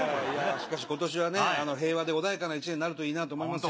しかし今年はね平和で穏やかな１年になるといいなと思いますよ。